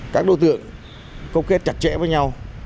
các đối tượng công kết chặt chẽ với nhau